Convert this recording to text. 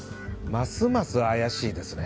ますます怪しいですね。